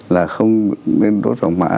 là không nên đốt vàng mã